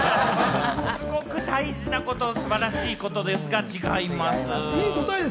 すごく大事な素晴らしいことですが、違います。